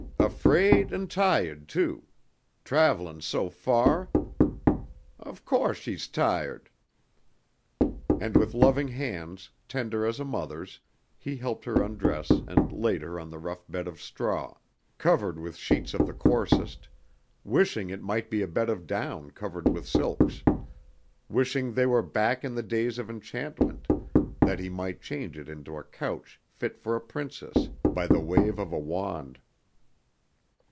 "Afraid, and tiahd, too. Travelin' so fah. Of cose, she's tiahd!" And with loving hands, tender as a mother's, he helped her undress and laid her on the rough bed of straw, covered with sheets of the coarsest, wishing it might be a bed of down covered with silks, wishing they were back in the days of enchantment that he might change it into a couch fit for a Princess by the wave of a wand.